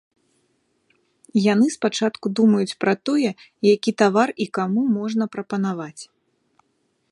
Яны спачатку думаюць пра тое, які тавар і каму можна прапанаваць.